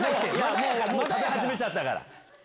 もう始めちゃったから。